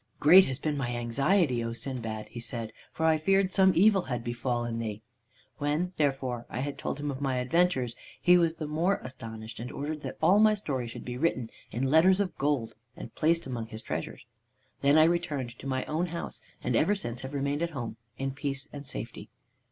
"'Great has been my anxiety, O Sindbad,' he said, 'for I feared some evil had befallen thee.' "When, therefore, I had told him of my adventures, he was the more astonished, and ordered that all my story should be written in letters of gold, and placed among his treasures. "Then I returned to my own house, and ever since have remained at home in peace and safety."